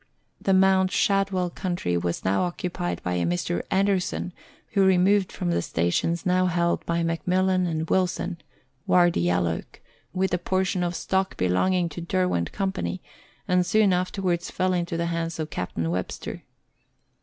The Mount Shadwell country was now occupied by a Mr. Anderson, who removed from the stations now held by McMillan and Wilson (Wardy Yalloak), with a portion of stock belonging to the Derwent Company, and soon afterwards fell into the hands of Captain Webster.